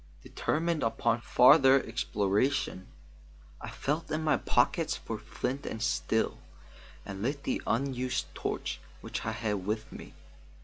Determined upon further exploration, I felt in my pockets for flint and steel, and lit the unused torch which I had with me.